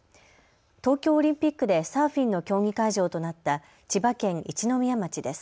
東京オリンピックでサーフィンの競技会場となった千葉県一宮町です。